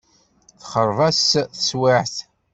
Texreb-as teswiɛt.